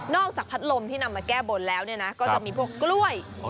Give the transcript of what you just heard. จากพัดลมที่นำมาแก้บนแล้วเนี่ยนะก็จะมีพวกกล้วย